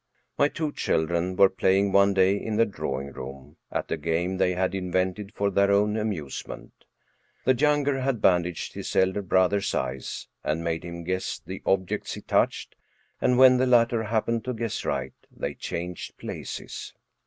My two children were playing one day in the drawing room at a game they had invented for their own amuse ment. The younger had bandaged his elder brother's eyes, and made him guess the objects he touched, and when the latter happened to guess right, they changed places.